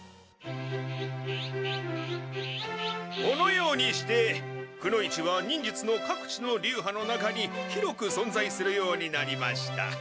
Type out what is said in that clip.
このようにしてくノ一は忍術のかくちの流派の中に広く存在するようになりました。